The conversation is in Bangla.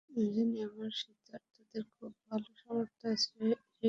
আমি জানি আমার সতীর্থদের খুব ভালো সামর্থ্য আছে সেই চ্যালেঞ্জ নেওয়ার।